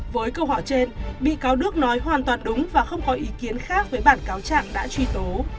với câu hỏi trên bị cáo đức nói hoàn toàn đúng và không có ý kiến khác với bản cáo trạng đã truy tố